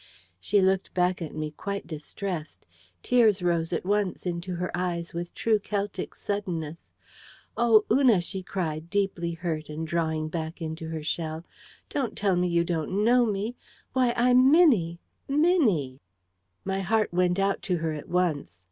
She looked back at me quite distressed. Tears rose at once into her eyes with true Celtic suddenness. "Oh, Una," she cried, deeply hurt and drawing back into her shell, "don't tell me you don't know me! Why, I'm Minnie! Minnie!" My heart went out to her at once.